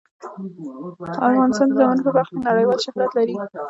افغانستان د زمرد په برخه کې نړیوال شهرت لري.